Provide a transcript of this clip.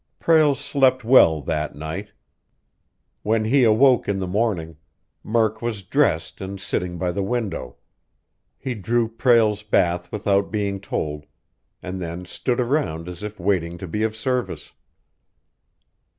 Prale slept well that night. When he awoke in the morning, Murk was dressed and sitting by the window. He drew Prale's bath without being told, and then stood around as if waiting to be of service.